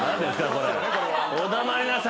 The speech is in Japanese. これ。